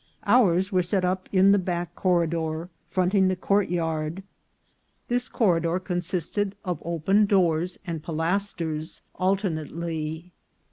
Ours were set up in the back corridor, fronting the court yard. This corridor consisted of open doors and pilasters alternately.